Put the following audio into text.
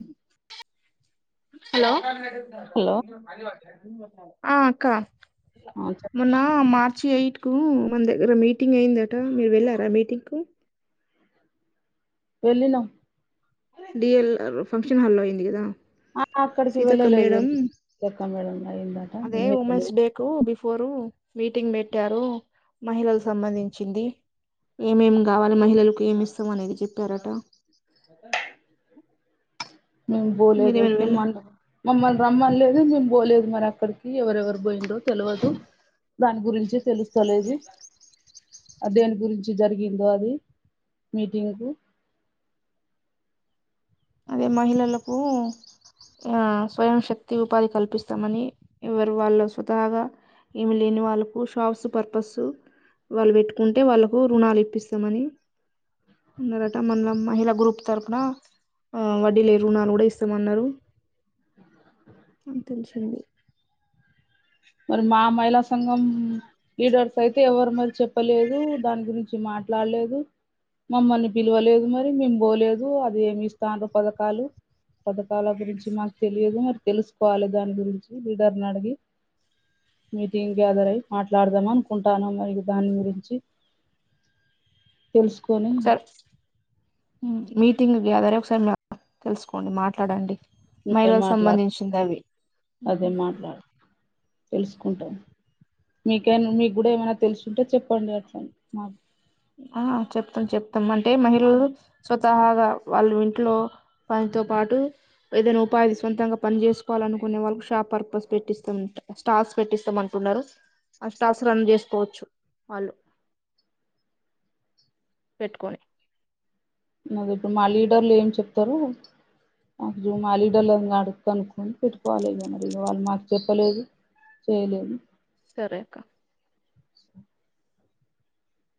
hello hello ఆ అక్క ఆ చెప్ మొన్న మార్చ ఎయిట్ కు మానాదగ్గర మీట్ మీటింగ్ అయిందట మీరు వెళ్ళారా మీటింగ్కు వెళ్ళిన డిఎల్ ఫంక్షన్ హల్లొ అయింది కదా ఆ అక్కడికి సీతక్క వెళ్ళలేదు మేడం వెళ్ళలేదు లెక్క మేడం అయిందట అదే మేము ఉమెన్స్ వెళ్ళలేదు డేకు గిఫ్ట్ ఫరు మీటింగ్ పెట్టారు మహిళలకు సంబంధించింది ఏమేమి కావాలి మహిళలకు ఏమిస్తాం అనేది చెప్పారట మేము పోలేదు మీరేమైనా వెళ్ళ మమ్మల్ని రమ్మనలేదు పోలేదు మరి అక్కడికి ఎవరెవరు పోయిందో తెలియదు దాని గురించి తెలుస్తు [unintelligible] దేని గురించి జరిగిందో అది మీటింగ్కు అదే మహిళలకు ఆ స్వయం శక్తి ఉపాధి కల్పిస్తామని ఎవరు వాళ్ళు స్వతాగా ఏమి లేని వాళ్ళకు షాబ్స్ పర్పస్ వాళ్ళు పెట్టుకుంటే వాళ్ళకు రుణాలు ఇప్పిస్తామని ఉన్నారట మన మహిళ గ్రూప్ తరపున హ వడ్డీ లేకుండా కూడా ఇస్తామన్నారు అంతం చెండి మరి మా మహిళా సంఘం లీడర్స్ అయితే ఎవరు మరి చెప్పలేదు దాని గురించి మాట్ ట్లాడలేదు మమ్మల్ని పిలవలేదు మరి మేం పోలేదు అది ఏమి ఇస్తాన్నారు పథకాలు పథకాల గురించి మాకు తెలియదు మరి తెలుసుకోవాలి దాని గురించి లిడర్నడిగి మీటింగ్ గ్యాదర్ అయ్ మాట్లాడదాం అనుకుంటాను మరి దాని గురించి [inaudible] తెలుసుకొని ఒకసారి మీటింగ్ వ్యాధర ఒకసారి తెలుసుకోండి మాట్లాడండి అదే మహిళలకు మాట్లాడు సంబంధించింది అవి తెలుసుకుంటాను మీకే మీకు కూడా ఏమైనా తెలుసుంటే చెప్పండి అట్లా మాకు ఆ చెప్తాం చెప్తాం అంటే మహిళలు స్వతాగా వాళ్ళ ఇంట్లో వానితో పాటు ఏదైనా ఉపాధి సొంతంగా పని చేసుకోవాలనుకునే వాళ్ళకి షాప్ పర్పస్ పెట్టిస్తాం స్టాల్స్ పెట్స్తామంటు అష్టాసరాన చేసుకోవచ్చు వాళ్ళు పెట్టుకొని అదే మా లీడర్లు ఏం చెప్తారు నాకు జూమాలీడర్ల అడునుకుని పెట్టుకోవాలిదని ఇది వాళ్ళు మాకు చెప్పలేదు చేయలేము సరే అక్క